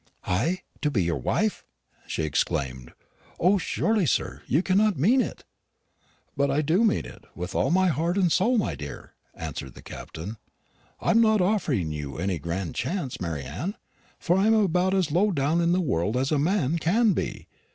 "I to be your wife!" she exclaimed. "O, surely, sir, you cannot mean it?" "But I do mean it, with all my heart and soul, my dear," answered the Captain. "I'm not offering you any grand chance, Mary Anne; for I'm about as low down in the world as a man can be.